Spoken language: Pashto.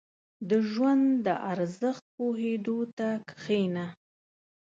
• د ژوند د ارزښت پوهېدو ته کښېنه.